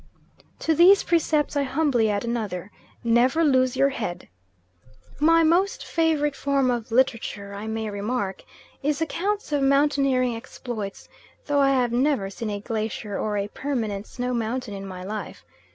To these precepts I humbly add another: "Never lose your head." My most favourite form of literature, I may remark, is accounts of mountaineering exploits, though I have never seen a glacier or a permanent snow mountain in my life.